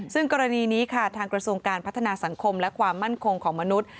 ซึ่งกรณีนี้ค่ะทางกระทรวงการพัฒนาสังคมและความมั่นคงของมนุษย์